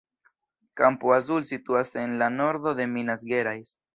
Campo Azul situas en la nordo de Minas Gerais.